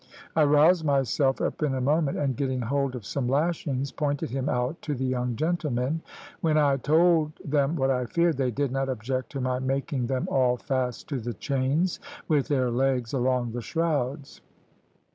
I roused myself up in a moment, and getting hold of some lashings, pointed him out to the young gentlemen. When I told them what I feared, they did not object to my making them all fast to the chains with their legs along the shrouds.